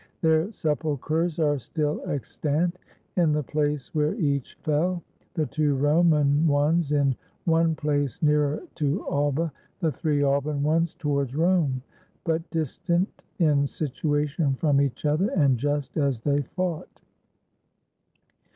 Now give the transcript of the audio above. Their sepulchers are still extant in the place where each fell ; the two Roman ones in one place nearer to Alba, the three Alban ones towards Rome ; but distant in situation from each other, and just as they fought.